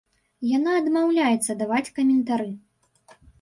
Яна адмаўляецца даваць каментары.